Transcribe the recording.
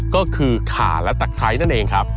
ก็คือขาและตะไคร้นั่นเองครับ